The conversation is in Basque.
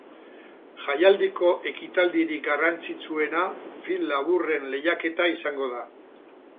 Jaialdiko ekitaldirik garrantzitsuena film laburren lehiaketa izango da.